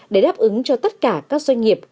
để đáp ứng cho tất cả các doanh nghiệp